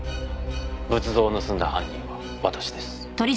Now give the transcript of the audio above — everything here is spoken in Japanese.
仏像を盗んだ犯人は私です。